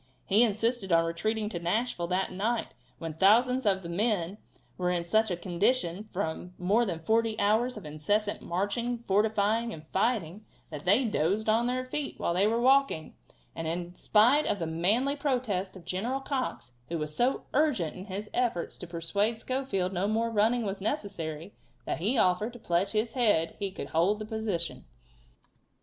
He insisted on retreating to Nashville that night when thousands of the men were in such a condition from more than forty hours' of incessant marching, fortifying and fighting that they dozed on their feet while they were walking, and in spite of the manly protest of General Cox, who was so urgent in his efforts to persuade Schofield no more running was necessary, that he offered to pledge his head he could hold the position.